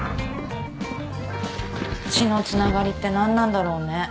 血のつながりって何なんだろうね。